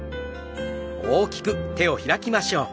大きく手を開きましょう。